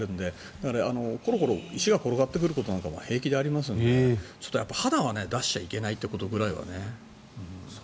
だから、コロコロ石が転がってくることも平気でありますから肌は出しちゃいけないということぐらいはね。